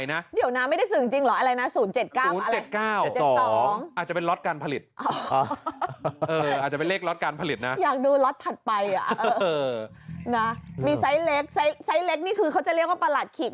นี่ไซส์เล็กไซส์เล็กนี่คือเขาจะเรียกว่าประหลัดขิก